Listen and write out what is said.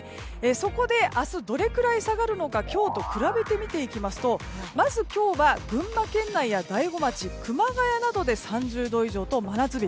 そこで明日どれくらい下がるのか今日と比べて見ていきますとまず今日は群馬県内や大子町熊谷などで３０度以上と真夏日。